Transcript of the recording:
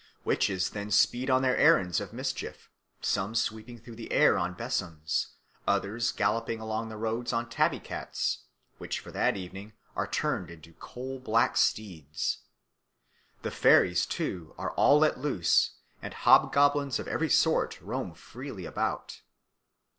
Witches then speed on their errands of mischief, some sweeping through the air on besoms, others galloping along the roads on tabby cats, which for that evening are turned into coal black steeds. The fairies, too, are all let loose, and hobgoblins of every sort roam freely about.